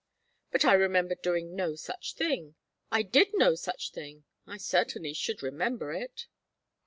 "But I remember doing no such thing. I did no such thing. I certainly should remember it."